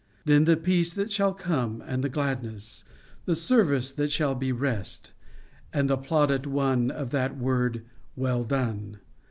Then the peace that shall come and the gladness ! The service that shall be rest ! And the plaudit won of that word, " Well done